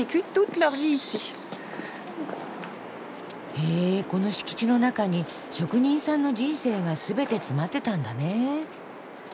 へえこの敷地の中に職人さんの人生がすべて詰まってたんだねぇ。